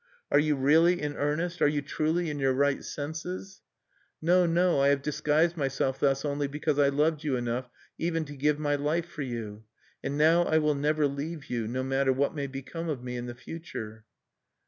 Are you really in earnest? Are you truly in your right senses? "No, no! I have disguised myself thus only because I loved you enough even to give my life for you. "And now I will never leave you, no matter what may become of me in the future."